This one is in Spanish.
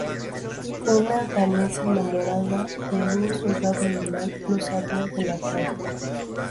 Una danesa enamorada de un soldado alemán los había delatado.